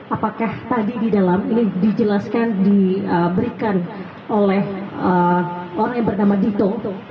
apakah tadi di dalam ini dijelaskan diberikan oleh orang yang bernama dito